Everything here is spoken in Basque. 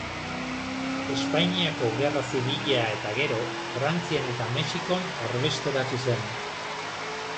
Espainiako Gerra Zibila eta gero, Frantzian eta Mexikon erbesteratu zen.